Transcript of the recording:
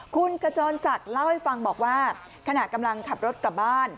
คุณขจรศักดิ์เล่าให้ฟังบอกว่าขณะกำลังขับรถกลับบ้าน